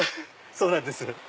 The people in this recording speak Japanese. そうなんです。